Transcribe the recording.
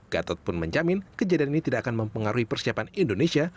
gatot pun menjamin kejadian ini tidak akan mempengaruhi persiapan indonesia